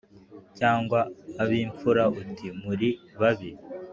cyangwa ab’imfura uti ‘muri babi’’